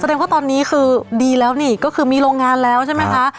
แสดงว่าตอนนี้คือดีแล้วนี่ก็คือมีโรงงานแล้วใช่ไหมคะ